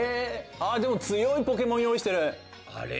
あっでも強いポケモン用意してる。